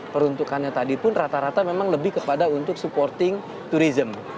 peruntukannya tadi pun rata rata memang lebih kepada untuk supporting tourism